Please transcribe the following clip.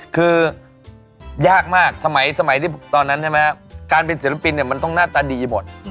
คือยากมากสมัยที่ตอนนั้นใช่ไหมครับการเป็นศิลปินเนี่ยมันต้องหน้าตาดีหมด